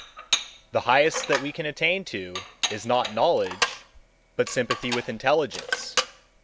The highest that we can attain to is not Knowledge, but Sympathy with Intelligence.